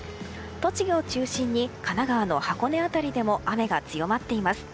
栃木を中心に神奈川の箱根辺りでも雨が強まっています。